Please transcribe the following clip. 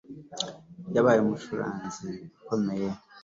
Yabaye umucuranzi ukomeye